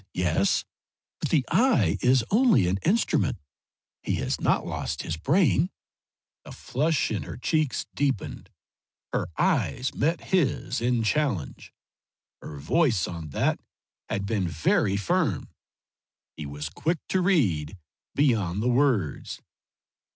"Eyes yes. But the eye is only an instrument; he has not lost his brain." The flush in her cheeks deepened. Her eyes met his in challenge. Her voice on that had been very firm. He was quick to read beyond the words.